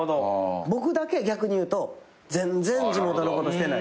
僕だけ逆にいうと全然地元のことしてない。